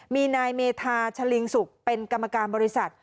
มีนายเมธาชะลิงสุกเป็นกรรมการบริษัท